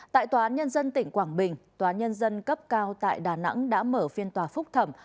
tại tòa án nhân dân tỉnh quảng bình tòa nhân dân cấp cao tại đà nẵng đã mở phiên tòa phúc thẩm